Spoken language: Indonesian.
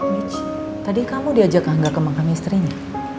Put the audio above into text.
mich tadi kamu diajak angga ke makam istrinya